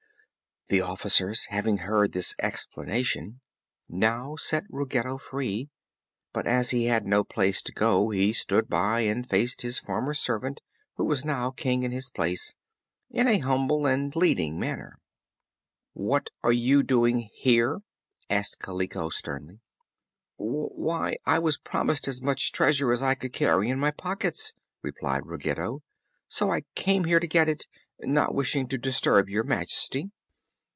The officers, having heard this explanation, now set Ruggedo free; but, as he had no place to go, he stood by and faced his former servant, who was now King in his place, in a humble and pleading manner. "What are you doing here?" asked Kaliko sternly. "Why, I was promised as much treasure as I could carry in my pockets," replied Ruggedo; "so I came here to get it, not wishing to disturb Your Majesty."